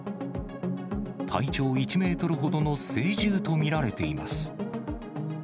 体長１メートルほどの成獣と見られています。